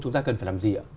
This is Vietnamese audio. chúng ta cần phải làm gì ạ